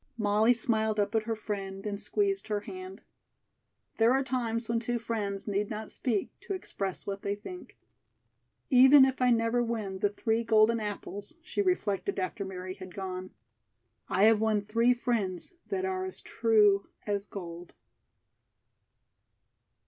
Molly smiled up at her friend and squeezed her hand. There are times when two friends need not speak to express what they think. "Even if I never win the three golden apples," she reflected after Mary had gone, "I have won three friends that are as true as gold."